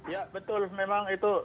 ya betul memang itu